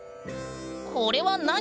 これは何？